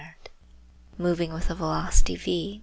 gif moving with the velocity v.